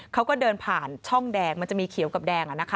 เขาก็เดินผ่านช่องแดงมันจะมีเขียวกับแดง